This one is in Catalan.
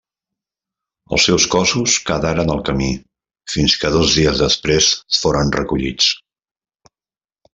Els seus cossos quedaren al camí, fins que dos dies després foren recollits.